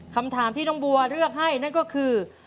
คำถามที่น้องบัวเลือกให้นั่นก็คือ